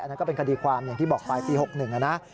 อันนั้นก็เป็นกดีความอย่างที่บอกปลายปี๖๑นะ